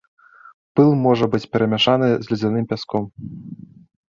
Пыл можа быць перамяшаны з ледзяным пяском.